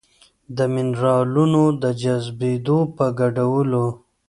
د مېنرالونو د جذبېدو په ګډوډولو